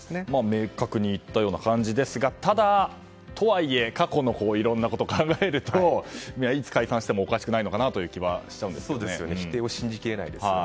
明確に言ったような感じですがとはいえ過去のいろんなことを考えるといつ解散してもおかしくないのかなという気は否定を信じきれないですよね。